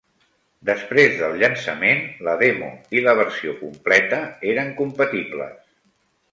Després del llançament, la demo i la versió completa eren compatibles.